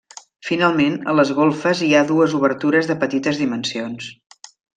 Finalment, a les golfes hi ha dues obertures de petites dimensions.